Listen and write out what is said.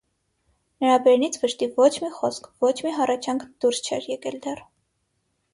նրա բերնից վշտի ոչ մի խոսք, ոչ մի հառաչանք դուրս չէր եկել դեռ: